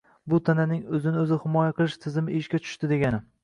Bu tananing o’zini o’zi himoya qilish tizimi ishga tushdi degani